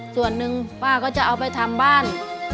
ส่วนหนึ่งป้าก็จะเอาไปทำบ้าน